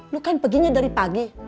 lu kan perginya dari pagi